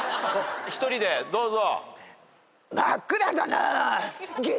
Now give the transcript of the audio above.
１人でどうぞ。